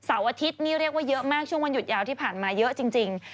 อาทิตย์นี่เรียกว่าเยอะมากช่วงวันหยุดยาวที่ผ่านมาเยอะจริง